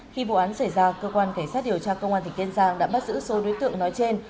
khi vụ án xảy ra cơ quan cảnh sát điều tra công an tỉnh kiên giang đã bắt giữ số đối tượng nói trên